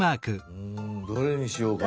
うんどれにしようかな。